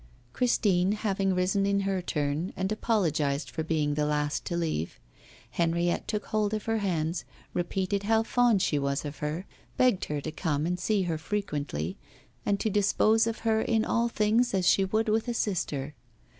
Christine having risen in her turn, and apologised for being the last to leave, Henriette took hold of her hands, repeated how fond she was of her, begged her to come and see her frequently, and to dispose of her in all things as she would with a sister.